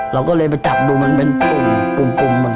เราก็เลยไปจับดูมันเป็นปุ่ม